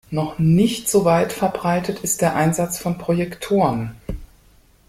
Noch nicht so weit verbreitet ist der Einsatz von Projektoren.